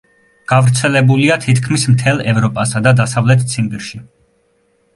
გავრცელებულია თითქმის მთელ ევროპასა და დასავლეთ ციმბირში.